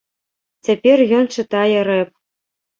Цяпер ён чытае рэп.